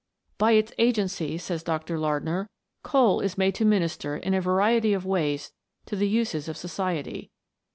" By its agency," says Dr. Lardner, "coal is made to minister in a variety of ways to the uses of society.